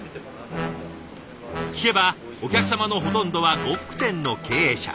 聞けばお客様のほとんどは呉服店の経営者。